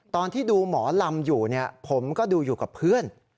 ตอนที่ดูหมอลำอยู่ผมก็ดูอยู่กับเพื่อน